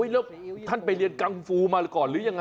แล้วท่านไปเรียนกังฟูมาก่อนหรือยังไง